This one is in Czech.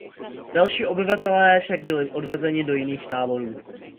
Další obyvatelé však byli odvezeni do jiných táborů.